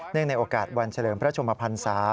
ในโอกาสวันเฉลิมพระชมพันศา